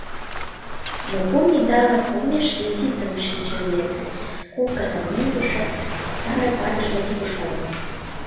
Но кум идалык олмеш визытым шинчен лекте: кок гана мӧҥгыжӧ, самырык ватыж деке, куржталын.